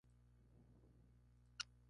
Es afluente del río Cabe.